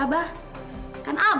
kan abah yang ngajarin asma